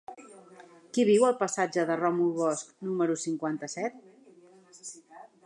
Qui viu al passatge de Ròmul Bosch número cinquanta-set?